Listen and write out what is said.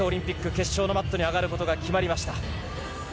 決勝のマットに上がることが決まりました。